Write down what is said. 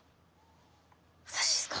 私ですか？